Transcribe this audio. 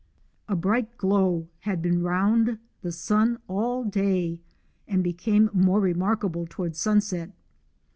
A bright glow had been round the sun all day and became more remarkable towards sunset.